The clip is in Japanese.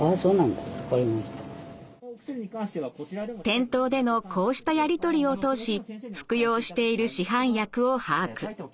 店頭でのこうしたやり取りを通し服用している市販薬を把握。